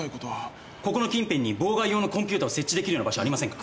ここの近辺に妨害用のコンピューターを設置できるような場所ありませんか？